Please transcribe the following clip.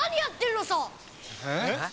えっ？